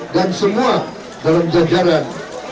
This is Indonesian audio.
dan semua dalam jajaran satu